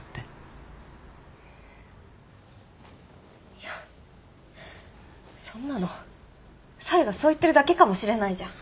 いやそんなのサイがそう言ってるだけかもしれないじゃん。